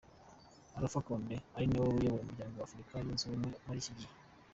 Alpha Condé, ari nawe uyoboye umuryango w’Afurika yunze ubumwe muri iki gihe.